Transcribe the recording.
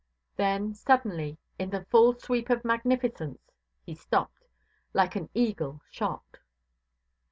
Then suddenly, in the full sweep of magnificence, he stopped, like an eagle shot.